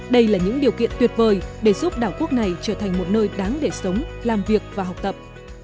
đây là những điều kiện tuyệt vời để giúp đảo quốc này trở thành một nơi đáng để sống làm việc và học tập